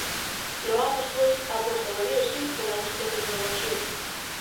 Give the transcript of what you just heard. Loamos pois a aposta do río Sil pola gastro-tecnoloxía!